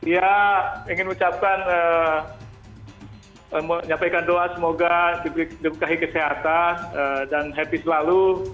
ya ingin ucapkan menyampaikan doa semoga diberikan kesehatan dan happy selalu